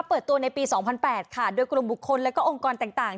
เปิดตัวในปีสองพันแปดค่ะโดยกรมบุคคลแล้วก็องค์กรต่างต่าง